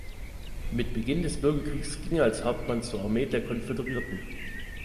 Mit Beginn des Bürgerkriegs ging er als Hauptmann zur Armee der Konföderierten.